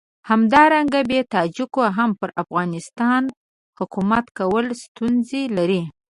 همدارنګه بې تاجکو هم پر افغانستان حکومت کول ستونزې لري.